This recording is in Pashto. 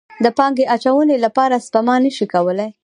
د پانګې اچونې لپاره سپما نه شي کولی.